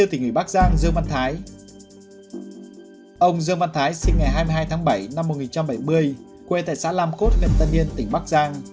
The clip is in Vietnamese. ông dương văn thái sinh ngày hai mươi hai tháng bảy năm một nghìn chín trăm bảy mươi quê tại xã lam cốt huyện tân yên tỉnh bắc giang